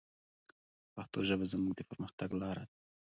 پښتو ژبه زموږ د پرمختګ لاره ده.